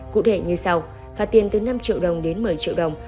cụ thể như sau phạt tiền từ năm triệu đồng đến một mươi triệu đồng